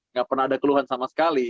nggak pernah ada keluhan sama sekali